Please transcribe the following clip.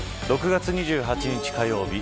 ６月２８日火曜日